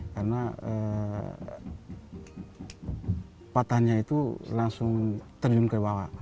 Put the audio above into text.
karena patahnya itu langsung terjun ke bawah